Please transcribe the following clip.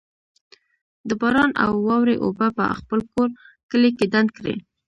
د باران او واورې اوبه په خپل کور، کلي کي ډنډ کړئ